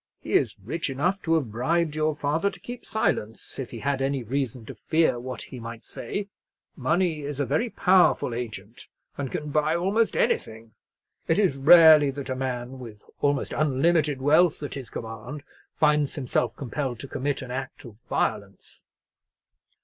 He is rich enough to have bribed your father to keep silence, if he had any reason to fear what he might say. Money is a very powerful agent, and can buy almost anything. It is rarely that a man, with almost unlimited wealth at his command, finds himself compelled to commit an act of violence."